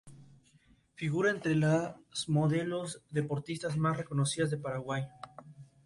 Directora honoraria de la ex Asociación de visitadoras sociales.